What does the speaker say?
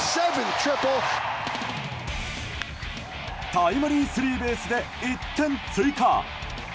タイムリースリーベースで１点追加。